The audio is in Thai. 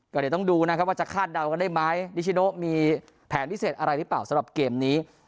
ก็เดี๋ยวต้องดูนะครับว่าจะคาดเดากันได้ไหมนิชโนมีแผนพิเศษอะไรหรือเปล่าสำหรับเกมนี้